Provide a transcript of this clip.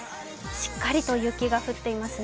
しっかりと雪が降っていますね